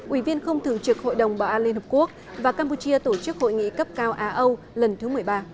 ủy viên không thường trực hội đồng bảo an liên hợp quốc và campuchia tổ chức hội nghị cấp cao á âu lần thứ một mươi ba